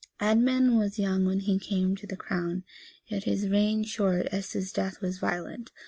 Edmund was young when he came to the crown; yet was his reign short, as his death was violent.